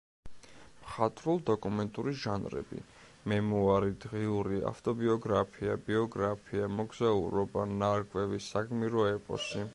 მხატვრულ-დოკუმენტური ჟანრები: მემუარი, დღიური, ავტობიოგრაფია, ბიოგრაფია, მოგზაურობა, ნარკვევი, საგმირო ეპოსი.